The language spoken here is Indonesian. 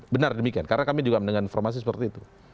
benar demikian karena kami juga mendengar informasi seperti itu